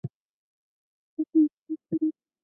毕业于内蒙古农牧学院畜牧专业。